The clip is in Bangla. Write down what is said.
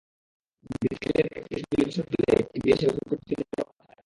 বিকেলের দিকে পুলিশ গুলিবর্ষণ করলে একটি গুলি এসে রফিকুদ্দিনের মাথায় লাগে।